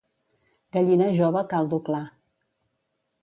Gallina jove, caldo clar.